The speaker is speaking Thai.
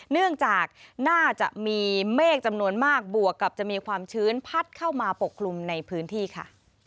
เนื่องจากน่าจะมีเมฆจำนวนมากบวกกับจะมีความชื้นพัดเข้ามาปกคลุมในพื้นที่ค่ะ